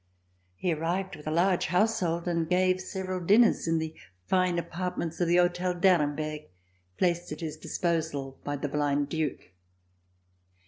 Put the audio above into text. He arrived with a large household and gave several dinners in the fine apartments of the Hotel d'Arenberg, placed at his disposal by the blind Due.